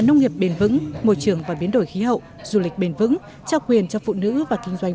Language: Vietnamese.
nông nghiệp bền vững môi trường và biến đổi khí hậu du lịch bền vững trao quyền cho phụ nữ và kinh doanh